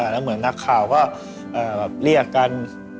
แล้วเหมือนนักข่าวก็เรียกกันแบ็คซ้ายกับตันยู